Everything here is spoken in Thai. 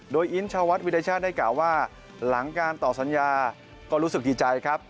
โดยอินชาวัดวิทยาชาติได้กล่าวว่าหลังการต่อสัญญาก็รู้สึกดีใจครับ